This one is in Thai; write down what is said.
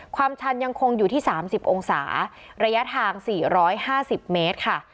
ความชันยังคงอยู่ที่สามสิบองศาระยะทางสี่ร้อยห้าสิบเมตรค่ะ